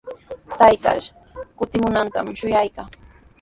Taytaa kutimunantami shuyaykaa.